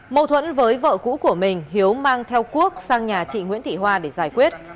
mâu thuẫn với vợ cũ của mình hiếu mang theo quốc sang nhà chị nguyễn thị hoa để giải quyết